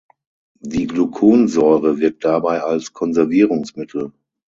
Die Gluconsäure wirkt dabei als Konservierungsmittel.